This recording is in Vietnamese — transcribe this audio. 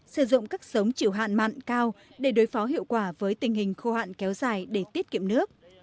sử dụng các sống chịu hạn mặn cao để đối phó hiệu quả với tình hình khô hạn kéo dài để tiết kiệm nước